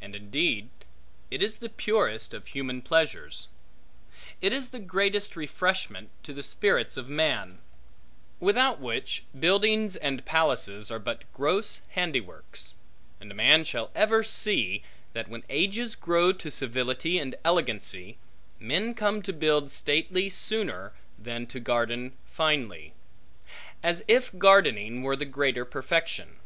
And indeed it is the purest of human pleasures. It is the greatest refreshment to the spirits of man; without which, buildings and palaces are but gross handiworks; and a man shall ever see, that when ages grow to civility and elegancy, men come to build stately sooner than to garden finely; as if gardening were the greater perfection.